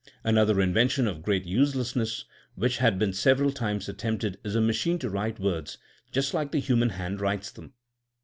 Another invention of great uselessness which has been several times attempted is a machine to write words just like the human hand writes them.